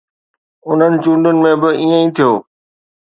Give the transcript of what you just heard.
انهن چونڊن ۾ به ائين ئي ٿيو.